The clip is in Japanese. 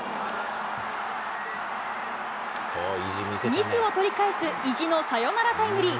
ミスを取り返す、意地のサヨナラタイムリー。